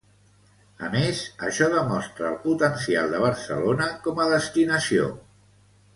A més, això demostra el potencial de Barcelona com a destinació.